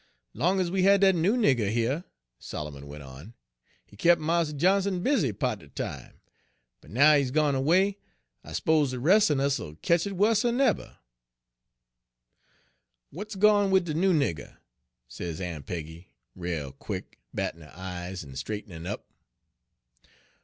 " 'Long ez we had dat noo nigger heah,' Solomon went on, 'he kep' Mars Johnson busy pa't er de time; but now he's gone erway, I s'pose de res' un us'll ketch it wusser'n eber.' " 'W'at's gone wid de noo nigger?' sez Aun' Peggy, rale quick, battin' her eyes en straight'nin' up.